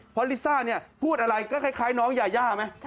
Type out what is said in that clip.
เพราะลิซ่าพูดอะไรก็คล้ายน้องยาไหม